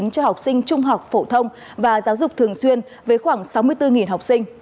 cho học sinh trung học phổ thông và giáo dục thường xuyên với khoảng sáu mươi bốn học sinh